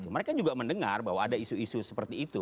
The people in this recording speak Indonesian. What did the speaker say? mereka juga mendengar bahwa ada isu isu seperti itu